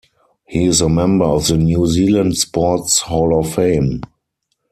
He is a member of the New Zealand Sports Hall of Fame.